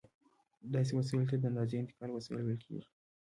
داسې وسایلو ته د اندازې د انتقال وسایل ویل کېږي.